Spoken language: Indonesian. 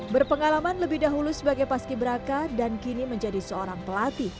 berpengalaman lebih dahulu sebagai paski beraka dan kini menjadi seorang pelatih